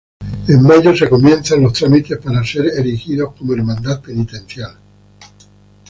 En mayo se comienzan los trámites para ser erigidos cómo Hermandad Penitencial.